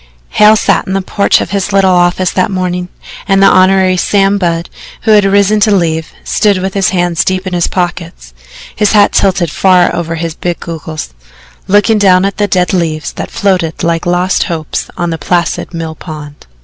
Hale sat in the porch of his little office that morning, and the Hon. Sam Budd, who had risen to leave, stood with his hands deep in his pockets, his hat tilted far over his big goggles, looking down at the dead leaves that floated like lost hopes on the placid mill pond.